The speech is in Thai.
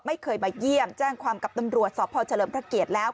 ไม่เคยมาเยี่ยมแจ้งความกับตำรวจสพเฉลิมพระเกียรติแล้ว